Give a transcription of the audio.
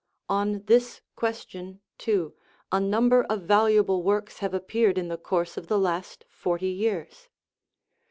On this question, too, a number of valuable works have appeared in the course of the last forty years.